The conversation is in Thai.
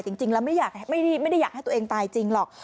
จริงแล้วไม่ได้อยากให้ตัวเองตายจริงหรอก